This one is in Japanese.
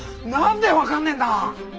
何で分かんねえんだ！